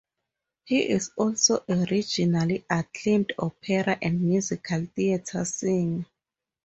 He is also a regionally acclaimed opera and musical theater singer.